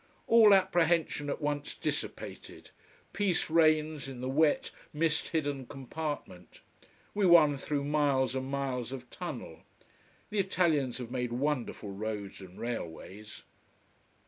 All apprehension at once dissipated, peace reigns in the wet, mist hidden compartment. We run through miles and miles of tunnel. The Italians have made wonderful roads and railways.